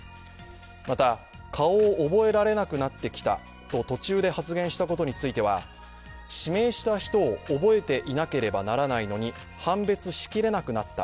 また、顔を覚えられなくなってきたと途中で発言したことについては指名した人を覚えていなければならないのに判別しきれなくなった。